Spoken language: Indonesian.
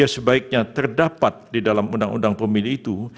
sebaiknya terdapat di dalam undang undang pemilih itu